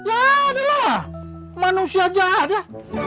ya ada lah manusia aja ada